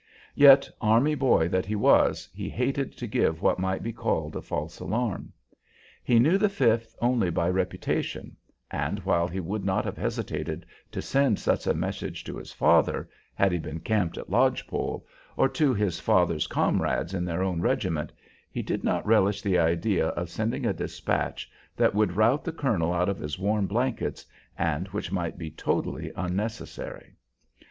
Yet, army boy that he was, he hated to give what might be called a false alarm. He knew the Fifth only by reputation, and while he would not have hesitated to send such a message to his father had he been camped at Lodge Pole, or to his father's comrades in their own regiment, he did not relish the idea of sending a despatch that would rout the colonel out of his warm blankets, and which might be totally unnecessary.